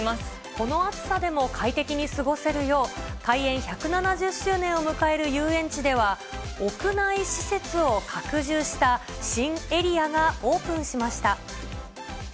この暑さでも快適に過ごせるよう、開園１７０周年を迎える遊園地では、屋内施設を拡充した、新エリアがオープンしました。